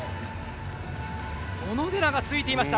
小野寺がついていました。